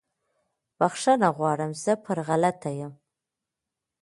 بخښنه غواړم زه پر غلطه یم